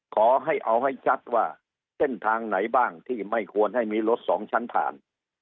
ขอให้เอาให้ชัดว่าเส้นทางไหนบ้างที่ไม่ควรให้มีรถสองชั้นผ่าน